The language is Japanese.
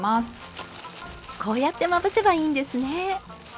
こうやってまぶせばいいんですね。